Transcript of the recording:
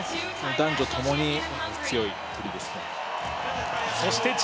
男女ともに強い国ですね。